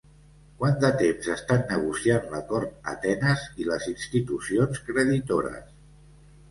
Quant de temps estan negociant l'acord Atenes i les institucions creditores?